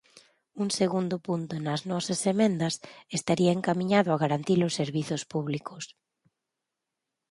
Un segundo punto, nas nosas emendas, estaría encamiñado a garantir os servizos públicos.